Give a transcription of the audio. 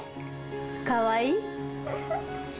かわいい？